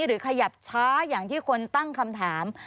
หรือขยับช้าอย่างที่คนตั้งคำถาม